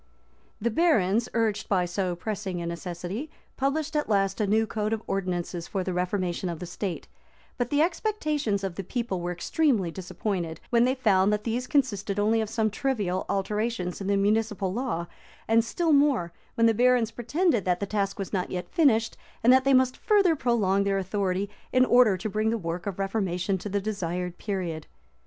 [] The barons, urged by so pressing a necessity, published at last a new code of ordinances for the reformation of the state: [] but the expectations of the people were extremely disappointed when they found that these consisted only of some trivial alterations in the municipal law; and still more, when the barons pretended that the task was not yet finished and that they must further prolong their authority, in order to bring the work of reformation to the desired period.